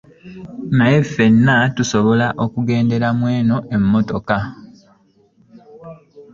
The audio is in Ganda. Naye ffena tusobola okugendera mweno emmotoka?